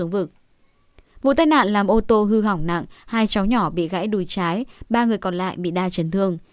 vụ tai nạn làm ô tô hư hỏng nặng hai cháu nhỏ bị gãy đùi trái ba người còn lại bị đa chấn thương